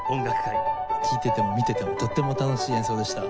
聴いてても見ててもとても楽しい演奏でした。